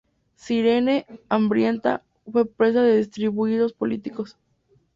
Cirene, hambrienta, fue presa de disturbios políticos.